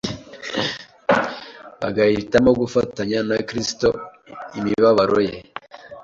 bagahitamo gufatanya na Kristo imibabaro ye.